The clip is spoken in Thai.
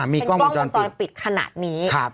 เป็นกล้องวงจรปิดขนาดนี้